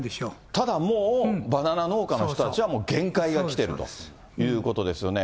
ただバナナ農家の人たちは限界が来てるということですよね。